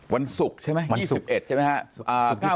วันศุกร์ใช่ไหม๒๑ใช่ไหมฮะ